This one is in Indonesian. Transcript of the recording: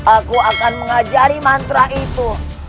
aku akan mengajari mantra itu